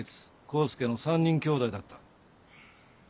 黄介の３人兄弟だった。